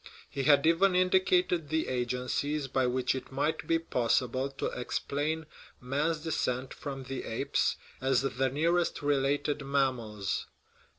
He had even indicated the agencies by which it might be possible to explain man's descent from the apes as the nearest re lated mammals.